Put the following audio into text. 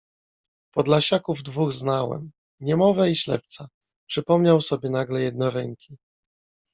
Podlasiaków dwóch znałem: niemowę i ślepca — przypomniał sobie nagle jednoręki.